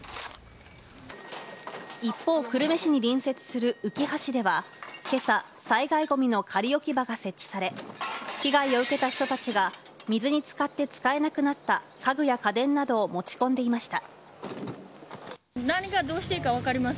一方、久留米市に隣接するうきは市では今朝、災害ごみの仮置き場が設置され被害を受けた人たちが水に漬かって使えなくなった家具や家電などを持ち込んでいました。